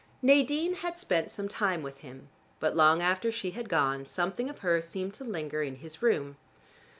Nadine had spent some time with him, but long after she had gone something of her seemed to linger in his room.